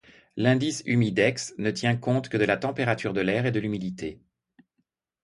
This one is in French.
L'indice humidex ne tient compte que de la température de l'air et de l'humidité.